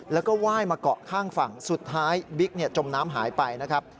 แล้วก็ไหว้มาเกาะข้างฝั่งสุดท้ายบิ๊กจมน้ำหายไปนะครับ